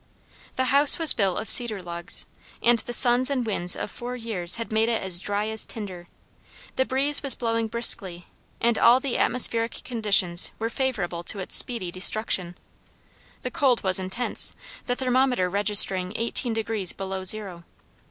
The house was built of cedar logs, and the suns and winds of four years had made it as dry as tinder; the breeze was blowing briskly and all the atmospheric conditions were favorable to its speedy destruction. The cold was intense, the thermometer registering eighteen degrees below zero.